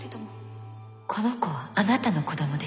この子はあなたの子どもです。